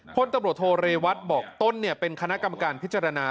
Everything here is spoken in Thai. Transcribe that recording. พลตำรวจโทเรวัตบอกต้นเป็นคณะกรรมการพิจารณา